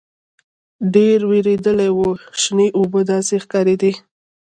ډېر وېردلي وو شنې اوبه داسې ښکارېدې.